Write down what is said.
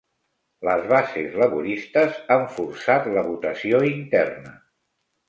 Les bases laboristes han forçat la votació interna